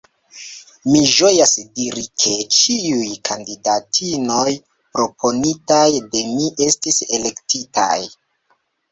Mi ĝojas diri, ke ĉiuj kandidatinoj proponitaj de mi estis elektitaj.